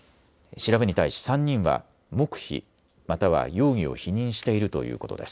調べに対し３人は黙秘または容疑を否認しているということです。